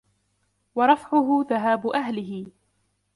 وَرَفْعُهُ ذَهَابُ أَهْلِهِ